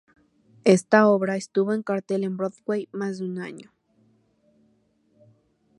Esta obra estuvo en cartel en Broadway más de año y medio.